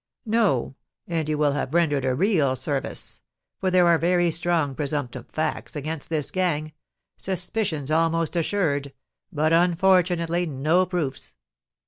"No; and you will have rendered a real service; for there are very strong presumptive facts against this gang, suspicions almost assured, but, unfortunately, no proofs."